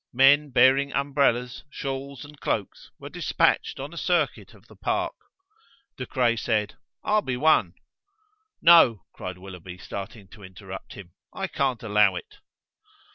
Men bearing umbrellas, shawls, and cloaks were dispatched on a circuit of the park. De Craye said: "I'll be one." "No," cried Willoughby, starting to interrupt him, "I can't allow it."